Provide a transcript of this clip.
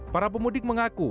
para pemudik mengaku